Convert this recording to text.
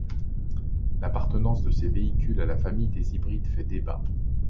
L'appartenance de ces véhicules à la famille des hybrides fait débat.